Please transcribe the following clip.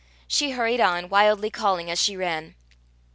She hurried on, wildly calling as she ran.